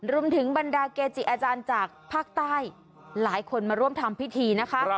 บรรดาเกจิอาจารย์จากภาคใต้หลายคนมาร่วมทำพิธีนะคะ